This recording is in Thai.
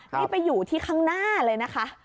นี่ไปอยู่ที่ข้างหน้าเลยนะคะ